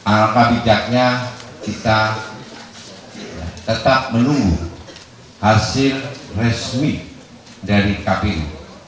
alam pabidatnya kita tetap menunggu hasil resmi dari kpu